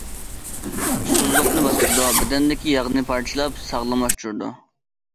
ئۇسسۇزلۇقنى باسىدۇ، بەدەندىكى ياغنى پارچىلاپ ساغلاملاشتۇرىدۇ.